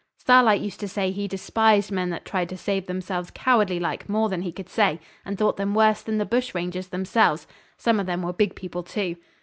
Starlight used to say he despised men that tried to save themselves cowardly like more than he could say, and thought them worse than the bush rangers themselves. Some of them were big people, too.